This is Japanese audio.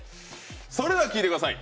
それでは聞いてください。